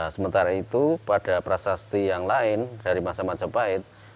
sementara itu pada prasasti yang lain dari masa majapahit